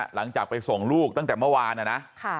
หลังจากไปส่งลูกตั้งแต่เมื่อวานนะ